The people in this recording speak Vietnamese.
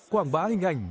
quảng bá hình ảnh